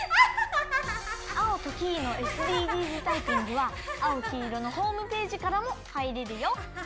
「アオとキイのＳＤＧｓタイピング」は「あおきいろ」のホームページからもはいれるよ。